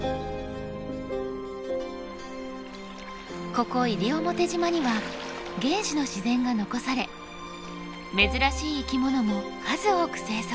ここ西表島には原始の自然が残され珍しい生き物も数多く生息。